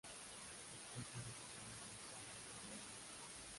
Se prestan únicamente los sábados y domingos.